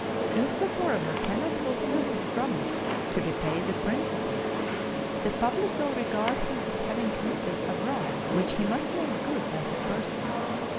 If the borrower cannot fulfil his promise to repay the principal, the public will regard him as having committed a wrong which he must make good by his person.